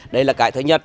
đấy là cái thứ nhất